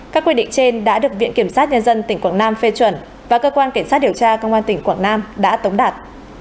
các quy định trên đã được viện kiểm sát nhân dân tỉnh quảng nam phê chuẩn và cơ quan cảnh sát điều tra công an tỉnh quảng nam đã tống đạt